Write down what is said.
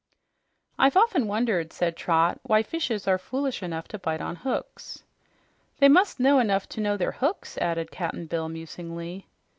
"I've often wondered," said Trot, "why fishes are foolish enough to bite on hooks." "They must know enough to know they're hooks," added Cap'n Bill musingly.